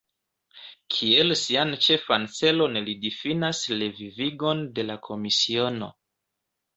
Kiel sian ĉefan celon li difinas revivigon de la komisiono.